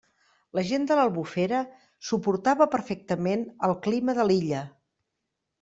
La gent de l'Albufera suportava perfectament el clima de l'illa.